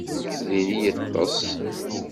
Din i yeṭṭes?